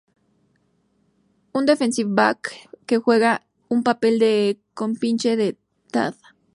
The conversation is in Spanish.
Un "defensive back", que juega un papel de "compinche" de Thad.